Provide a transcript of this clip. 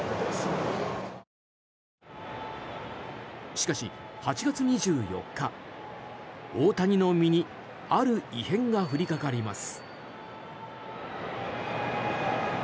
しかし、８月２４日大谷の身にある異変が降りかかります。